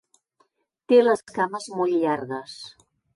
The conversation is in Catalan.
Té les cames molt llargues.